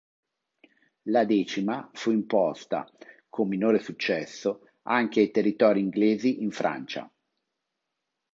La decima fu imposta, con minore successo, anche ai territori inglesi in Francia.